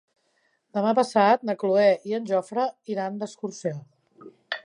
Demà passat na Cloè i en Jofre iran d'excursió.